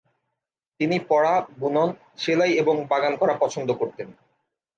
তিনি পড়া, বুনন, সেলাই এবং বাগান করা পছন্দ করতেন।